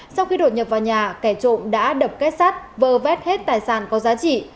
sau khi đột nhập vào nhà kẻ trộm đã đập kết sắt vơ vét hết tài sản có giá trị